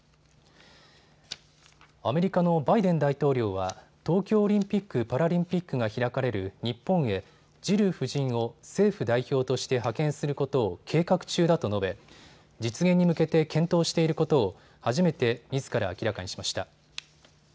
アメリカのバイデン大統領は東京オリンピック・パラリンピックが開かれる日本へジル夫人を政府代表として派遣することを計画中だと述べ実現に向けて検討していることを初めてみずから明らかにしました。